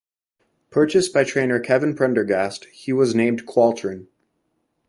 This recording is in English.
Purchased by trainer Kevin Prendergast, he was named Qualtron.